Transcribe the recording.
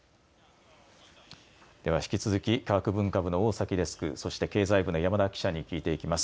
では引き続き科学文化部の大崎デスク、そして経済部の山田記者に聞いていきます。